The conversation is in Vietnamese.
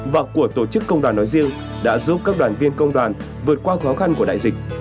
và của tổ chức công đoàn nói riêng đã giúp các đoàn viên công đoàn vượt qua khó khăn của đại dịch